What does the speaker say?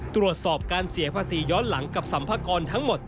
ตรวจสอบการเสียภาษีย้อนหลังกับสัมภากรทั้งหมด